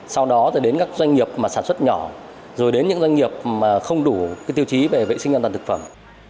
sau đó đến các doanh nghiệp sản xuất nhỏ rồi đến những doanh nghiệp không đủ tiêu chí về vệ sinh an toàn thực phẩm